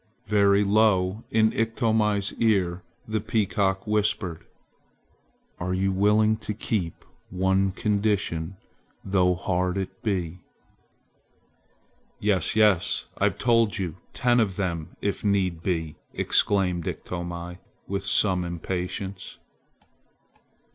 Very low in Iktomi's ear the peacock whispered, "Are you willing to keep one condition, though hard it be?" "Yes! yes! I've told you ten of them if need be!" exclaimed Iktomi, with some impatience.